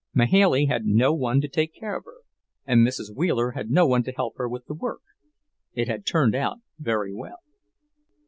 Mahailey had no one to take care of her, and Mrs. Wheeler had no one to help her with the work; it had turned out very well.